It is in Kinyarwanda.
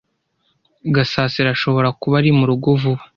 Gasasira ashobora kuba ari murugo vuba.